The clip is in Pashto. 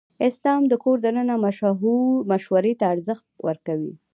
اسلام د کور دننه مشورې ته ارزښت ورکوي.